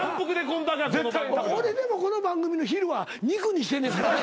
俺でもこの番組の昼は肉にしてんねんから。